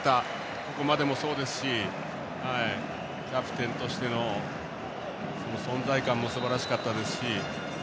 ここまでもそうですしキャプテンとしての存在感もすばらしかったですし。